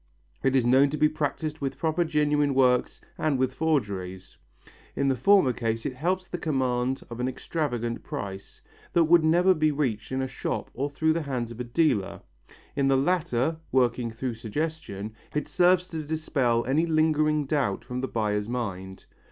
It is known to be practised with both genuine works and with forgeries. In the former case it helps the command of an extravagant price, that would never be reached in a shop or through the hands of a dealer; in the latter, working through suggestion, it serves to dispel any lingering doubt from the buyer's mind.